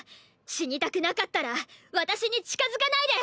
死にたくなかったら私に近づかないで！」。